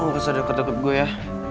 lo nggak usah deket deket gue ya